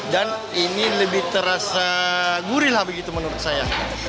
ini lebih terasa gurih lah begitu menurut saya